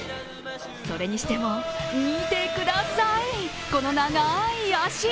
それにしても見てください、この長い足。